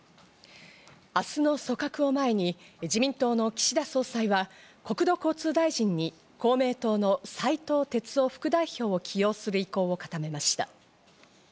明日の組閣を前に自民党の岸田総裁は国土交通大臣に公明党の斉藤鉄夫副代表を起用する意向を固めました。